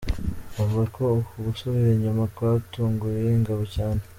Avuga ko uku gusubira inyuma kwatunguye ingabo cyane.